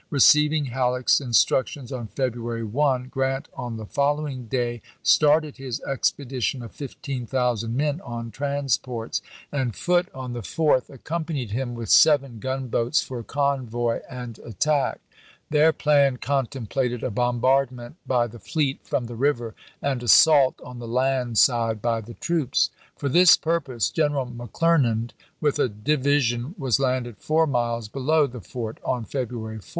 Receiving Halleck's instruc tions on February 1, Grant on the following day started his expedition of fifteen thousand men on transports, and Foote, on the 4th, accompanied him GEANT AND THOMAS IN KENTUCKY 121 with seven gunboats for convoy and attack. Their chap.vii. plan contemplated a bombardment by the fleet from the river, and assault on the land side by the troops. For this purpose General McClernand, with a divi sion, was landed four miles below the fort on Feb ruary 4.